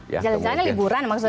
jalan jalannya liburan maksudnya